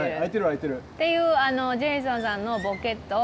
ていうジェイソンさんのボケと。